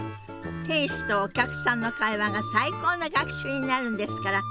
店主とお客さんの会話が最高の学習になるんですから。